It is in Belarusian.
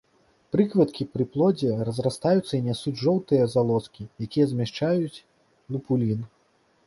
Прыкветкі пры плодзе разрастаюцца і нясуць жоўтыя залозкі, якія змяшчаюць лупулін.